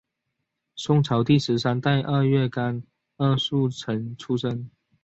宋朝第十三代二月廿二戊辰出生。